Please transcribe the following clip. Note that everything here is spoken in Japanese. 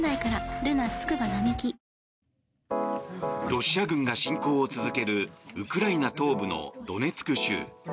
ロシア軍が侵攻を続けるウクライナ東部のドネツク州。